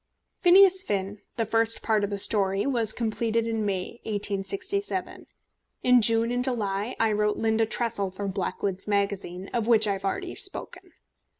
Phineas Finn, the first part of the story, was completed in May, 1867. In June and July I wrote Linda Tressel for Blackwood's Magazine, of which I have already spoken.